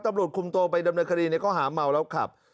ตำรวจคุมโตไปดำเนื้อคดีนี่ก็หาเมาแล้วครับ